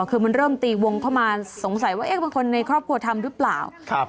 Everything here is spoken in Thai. คือมันเริ่มตีวงเข้ามาสงสัยว่าเอ๊ะเป็นคนในครอบครัวทำหรือเปล่าครับ